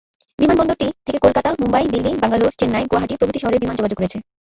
বিমানবন্দরটি থেকে কলকাতা, মুম্বাই, দিল্লি, ব্যাঙ্গালোর, চেন্নাই, গুয়াহাটি, প্রভৃতি শহরে বিমান যোগাযোগ রয়েছে।